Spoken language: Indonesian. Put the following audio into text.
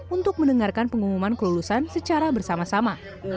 untuk mendengarkan pengumuman kelulusan secara bersama sama